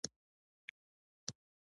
هر کمر ته چی تکیه شوو، لکه شگه را شړیږی